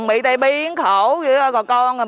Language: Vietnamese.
bị tai biến khổ còn con